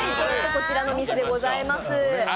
こちらのミスでございます。